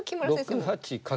６八角。